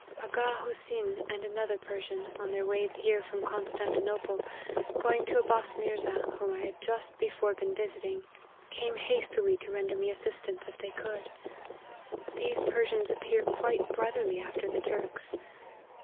Aga Hosyn and another Persian, on their way here from Constantinople, going to Abbas Mirza, whom I had just before been visiting, came hastily to render me assistance if they could. These Persians appear quite bro therly after the Turks.